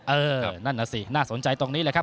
เออนั่นน่ะสิน่าสนใจตรงนี้แหละครับ